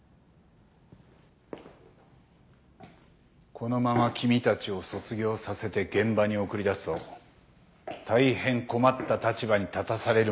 このまま君たちを卒業させて現場に送り出すと大変困った立場に立たされる者が出てくる。